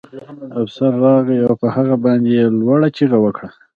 افسر راغی او په هغه باندې یې لوړه چیغه وکړه